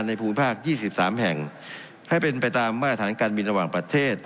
ภูมิภาค๒๓แห่งให้เป็นไปตามมาตรฐานการบินระหว่างประเทศ